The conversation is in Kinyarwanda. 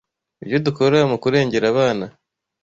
ibyo dukora mu kurengera abana